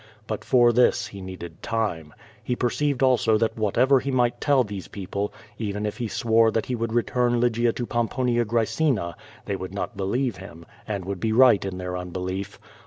But for this he needed time. He iKjrceived also that whatever he might tell these people, even if he swore that he would return Lygia to Pomponia Graecina, they would not believe him, and would be right in their unbelief.